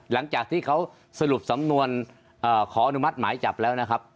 หลังจากที่เขาสรุปสำนวนขออนุมัติหมายจับแล้วนะครับ